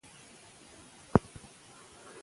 مېګرین د رواني ستونزو سبب دی.